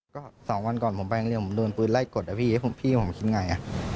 ใช่พี่ไม่แทนทิศอะไรขนาดนั้น